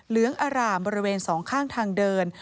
เหลืองอร่ามบริเวณสองข้างทางเดิน